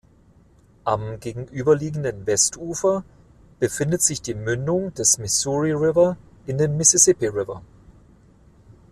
Am gegenüberliegenden Westufer befindet sich die Mündung des Missouri River in den Mississippi River.